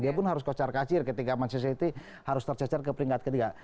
dia pun harus kocar kacir ketika manchester harus tercecer ke peringkat ketiga